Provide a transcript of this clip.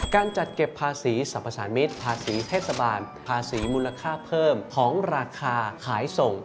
การจัดเก็บภาษีสรรพสารมิตรภาษีเทศบาลภาษีมูลค่าเพิ่มของราคาขายส่ง